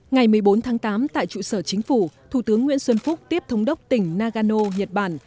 ngày một mươi bốn tháng tám tại trụ sở chính phủ thủ tướng nguyễn xuân phúc tiếp thống đốc tỉnh nagano nhật bản